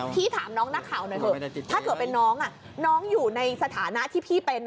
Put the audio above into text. พี่ถามน้องนักข่าวหน่อยเถอะถ้าเกิดเป็นน้องน้องอยู่ในสถานะที่พี่เป็น